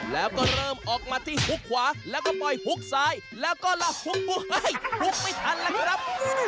แล้วก็เริ่มออกมาที่ฮุกขวาแล้วก็ปล่อยฮุกซ้ายแล้วก็ละหกลุกไม่ทันแล้วครับ